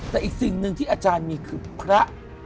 แต่อีกสิ่งหนึ่งที่อาจารย์มีคือพระ